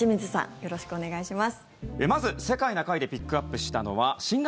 よろしくお願いします。